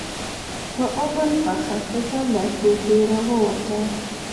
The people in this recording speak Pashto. په عمر پخه ښځه له کوټې راووته.